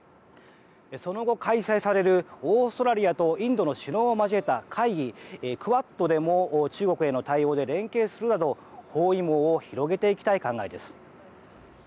その後、開催されるオーストラリアとインドの首脳を交えた会議クアッドでも中国への対応で連携するなど包囲網を広げていきたい考えです。